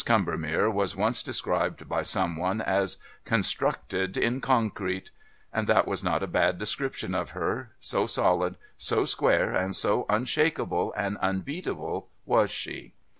Combermere was once described by some one as "constructed in concrete"; and that was not a bad description of her, so solid, so square and so unshakable and unbeatable was she.